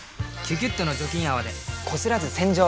「キュキュット」の除菌泡でこすらず洗浄！